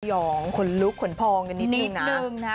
อย่างขนลุกขนพองกันนิดนึงนะครับ